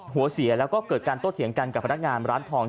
หัวเสียแล้วก็เกิดการโต้เถียงกันกับพนักงานร้านทอง